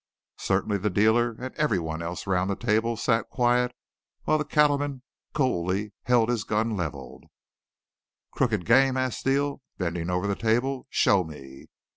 Certainly the dealer and everyone else round the table sat quiet while the cattleman coolly held his gun leveled. "Crooked game?" asked Steele, bending over the table. "Show me."